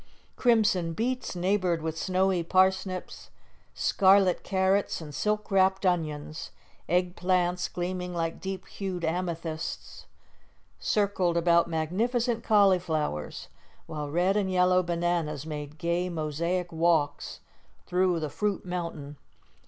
Crimson beets neighboured with snowy parsnips, scarlet carrots, and silk wrapped onions. Egg plants, gleaming like deep hued amethysts, circled about magnificent cauliflowers, while red and yellow bananas made gay mosaic walks through the fruit mountain.